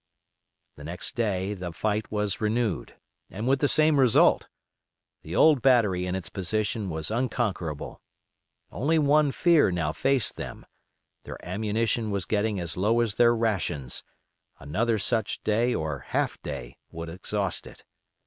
The next day the fight was renewed, and with the same result. The old battery in its position was unconquerable. Only one fear now faced them; their ammunition was getting as low as their rations; another such day or half day would exhaust it.